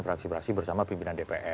fraksi fraksi bersama pimpinan dpr